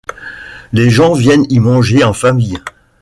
Les gens viennent y manger en famille.